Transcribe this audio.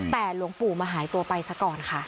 แต่หลวงปู่มาหายตัวไปซะก่อนค่ะ